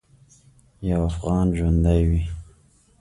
یو افغان ژوندی وي.